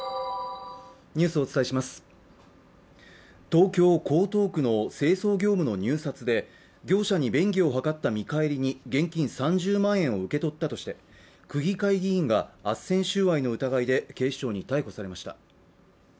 東京・江東区の清掃業務の入札で業者に便宜を図った見返りに現金３０万円を受け取ったとして区議会議員があっせん収賄の疑いで警視庁に逮捕されました。